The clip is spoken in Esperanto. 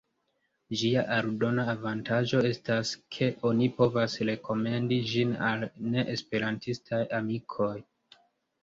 Ĝia aldona avantaĝo estas, ke oni povas rekomendi ĝin al neesperantistaj amikoj.